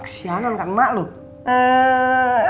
kesianan kan emak lo